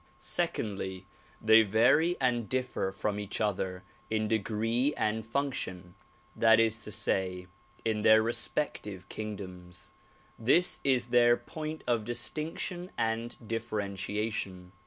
Secondly, they vaiy and differ from each other in degree and func tion ; that is to say in their respective kingdoms. This is their point of distinction and differentiation.